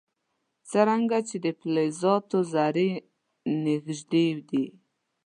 څرنګه چې د فلزاتو ذرې نژدې دي.